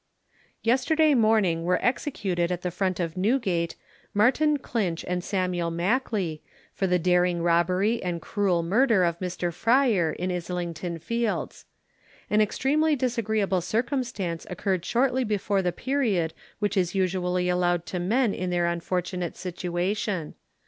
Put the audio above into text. Yesterday morning were executed at the front of Newgate, Martin Clinch and Samuel Mackley, for the daring robbery and cruel murder of Mr Fryer, in Islington fields. An extremely disagreeable circumstance occurred shortly before the period which is usually allowed to men in their unfortunate situation.